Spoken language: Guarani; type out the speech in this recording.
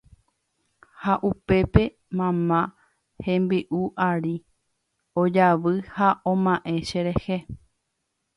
Ha upépe mamá hembi'u ári ojayvy ha oma'ẽ cherehe